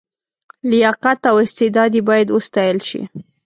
لیاقت او استعداد یې باید وستایل شي.